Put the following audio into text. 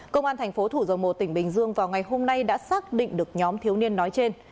công an thành phố thủ dầu một tỉnh bình dương vào ngày hôm nay đã xác định được nhóm thiếu niên nói trên